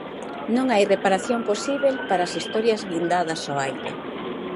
Non hai reparación posíbel para as historias guindadas ao aire.